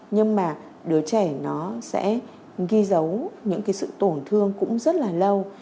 nhưng mà đứa trẻ nó sẽ ghi dấu những cái sự tổn thương cũng rất là lâu